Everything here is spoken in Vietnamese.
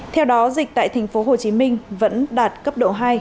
theo đó dịch tại tp hcm vẫn đạt cấp độ hai